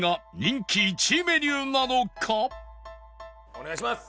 お願いします！